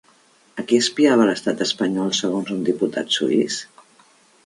A qui espiava l'estat espanyol segons un diputat suïs?